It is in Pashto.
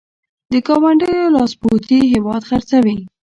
د ګاونډیو لاسپوڅي هېواد خرڅوي.